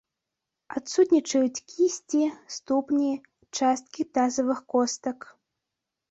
Адсутнічаюць кісці, ступні, часткі тазавых костак.